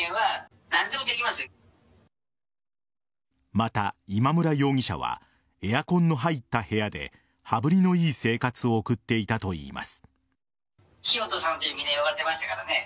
また、今村容疑者はエアコンの入った部屋で羽振りの良い生活を送っていたといいます。